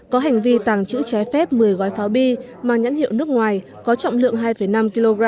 có hành vi tàng trữ trái phép một mươi gói pháo bi mang nhãn hiệu nước ngoài có trọng lượng hai năm kg